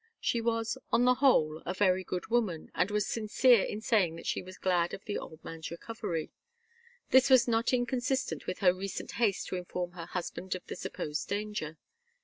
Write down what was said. She was, on the whole, a very good woman, and was sincere in saying that she was glad of the old man's recovery. This was not inconsistent with her recent haste to inform her husband of the supposed danger.